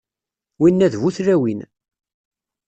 Winna d bu tlawin.